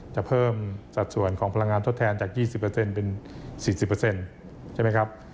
จะเพิ่มสัดส่วนของพลังงานทดแทนจาก๒๐เป็น๔๐ใช่ไหมครับ